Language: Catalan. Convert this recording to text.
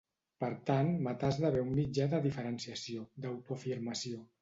Per tant matar esdevé un mitjà de diferenciació, d'autoafirmació.